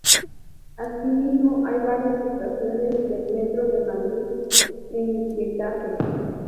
Así mismo hay varias estaciones del Metro de Madrid en Getafe.